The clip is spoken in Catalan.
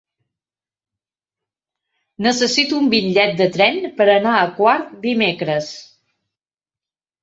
Necessito un bitllet de tren per anar a Quart dimecres.